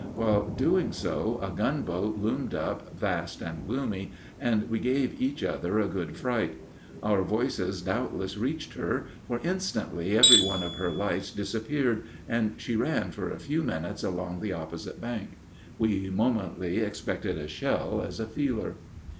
While doing so a gunboat loomed up vast and gloomy, and we gave each other a good fright. Our voices doubtless reached her, for instantly every one of her lights disappeared and she ran for a few minutes along the opposite bank. We momently expected a shell as a feeler.